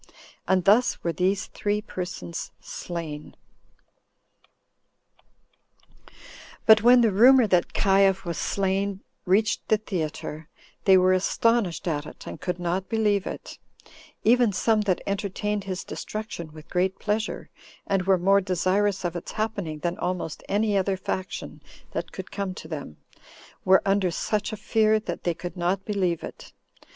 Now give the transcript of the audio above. And thus were these [three] persons slain. 16. But when the rumor that Caius was slain reached the theater, they were astonished at it, and could not believe it; even some that entertained his destruction with great pleasure, and were more desirous of its happening than almost any other faction that could come to them, were under such a fear, that they could not believe it.